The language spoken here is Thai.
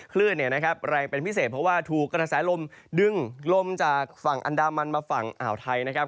คลื่นแรงเป็นพิเศษเพราะว่าถูกกระแสลมดึงลมจากฝั่งอันดามันมาฝั่งอ่าวไทยนะครับ